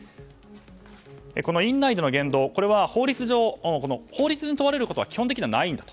院内での言動は法律上法律に問われることは基本的にはないんだと。